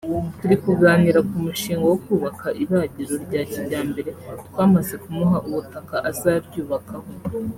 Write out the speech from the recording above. turi kuganira ku mushinga wo kubaka ibagiro rya kijyambere twamaze kumuha ubutaka azaryubakaho